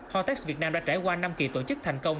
hotex việt nam đã trải qua năm kỳ tổ chức thành công